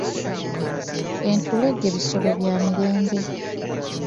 Entulege bisolo bya mirembe.